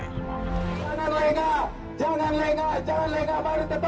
jangan lengah jangan lengah jangan lengah mari tetap terus berbena diri